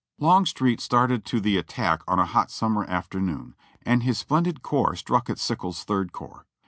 Longstreet started to the attack on a hot summer afternoon, and his splendid corps struck at Sickles's Third Corps.